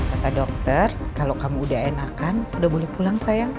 kata dokter kalau kamu udah enakan udah boleh pulang saya